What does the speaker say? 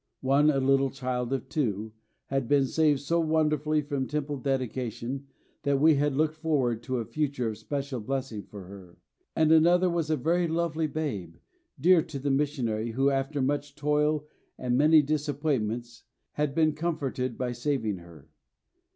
One, a little child of two, had been saved so wonderfully from Temple dedication that we had looked forward to a future of special blessing for her; and another was a very lovely babe, dear to the missionary who, after much toil and many disappointments, had been comforted by saving her.